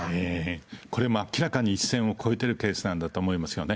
これ、明らかに一線を越えてるケースなんだと思いますよね。